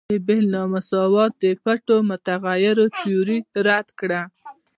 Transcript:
د بیل نا مساوات د پټو متغیرو تیوري رد کړه.